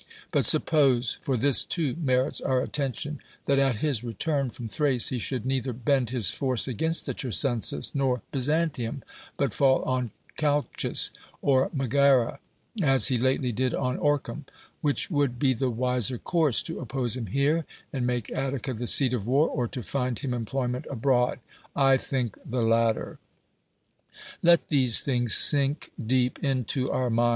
But suppose (for this too merits our attention) that at his return from Thrace he should neither bend his force against the Chersonesus nor Byzantium, but fall on Chalcis or ^Megara, as he lately did on Oreum ; which would be the wiser course, tc oppose him here, and make Attica the scat oi war, or to find him employment abroad? I tliiiik the latter. Let these things sink deep into oui niind